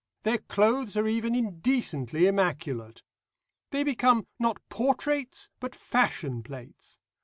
Their clothes are even indecently immaculate. They become, not portraits, but fashion plates.